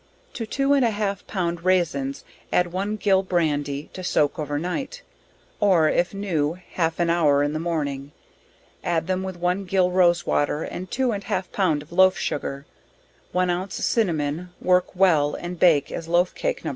To 2 and a half pound raisins, add 1 gill brandy, to soak over night, or if new half an hour in the morning, add them with 1 gill rose water and 2 and half pound of loaf sugar, 1 ounce cinnamon, work well and bake as loaf cake, No.